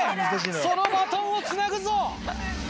そのバトンをつなぐぞ！